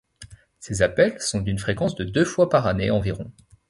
Ces appels sont d’une fréquence de deux fois par année environ.